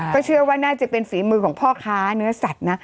ก็เชื่อว่าน่าจะเป็นฝีมือของพ่อค้าเนื้อสัตว์นะ